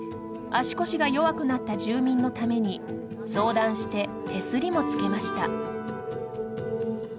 足腰が弱くなった住民のために相談して手すりもつけました。